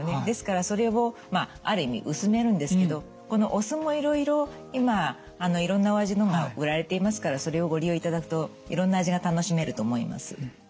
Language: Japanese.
ですからそれをある意味薄めるんですけどこのお酢もいろいろ今いろんなお味のが売られていますからそれをご利用いただくといろんな味が楽しめると思います。